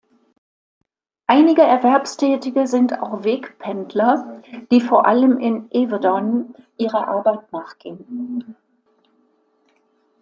Einige Erwerbstätige sind auch Wegpendler, die vor allem in Yverdon ihrer Arbeit nachgehen.